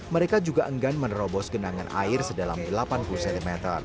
mereka juga enggan menerobos genangan air sedalam delapan puluh cm